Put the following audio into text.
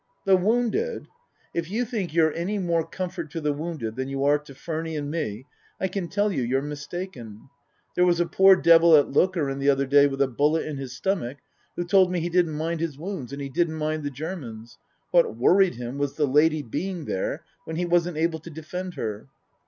" The wounded ? If you think you're any more comfort to the wounded than you are to Furny and me I can tell you you're mistaken. There was a poor devil at Lokeren the other day with a bullet in his stomach who told me he didn't mind his wounds and he didn't mind the Germans ; what worried him was the lady being there when he wasn't able to defend her."